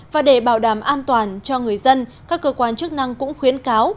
và để bảo đảm an toàn cho người dân các cơ quan chức năng cũng khuyến cáo